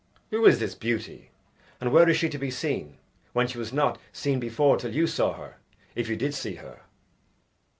"Who is this beauty, and where is she to be seen, when she was not seen before till you saw her, if you did see her?"